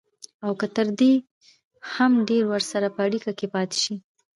او که تر دې هم ډېر ورسره په اړيکه کې پاتې شي.